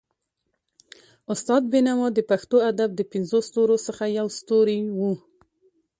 استاد بينوا د پښتو ادب د پنځو ستورو څخه يو ستوری وو.